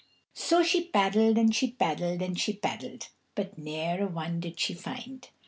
So she paddled and she paddled and she paddled, but ne'er a one did she find.